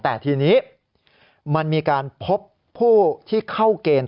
แต่ทีนี้มันมีการพบผู้ที่เข้าเกณฑ์